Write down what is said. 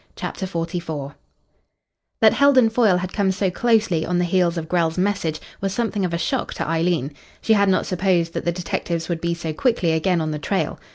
CHAPTER XLIV That Heldon Foyle had come so closely on the heels of Grell's message was something of a shock to Eileen. She had not supposed that the detectives would be so quickly again on the trail.